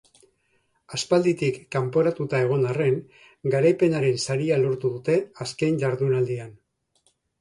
Aspalditik kanporatuta egon arren, garaipenaren saria lortu dute azken jardunaldian.